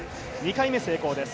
２回目成功です。